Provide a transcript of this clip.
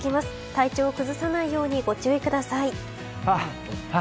体調を崩さないようにご注意ください。